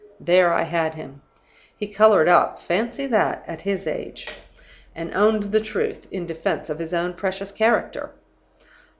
"There I had him. He colored up (fancy that, at his age!), and owned the truth, in defense of his own precious character.